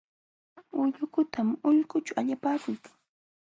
Ullukutam ulqućhu allapakuykan.